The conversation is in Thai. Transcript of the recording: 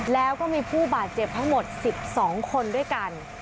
แล้วก็มีผู้บาดเจ็บทั้งหมด๑๒คนด้วยกัน